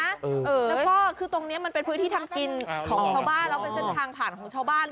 แล้วก็คือตรงนี้มันเป็นพื้นที่ทำกินของชาวบ้านแล้วเป็นเส้นทางผ่านของชาวบ้าน